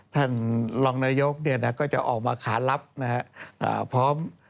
ท่านรองนโยคก็จะออกมาขาลับพร้อม